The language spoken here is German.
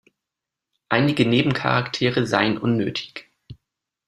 Einige Nebencharaktere seien unnötig.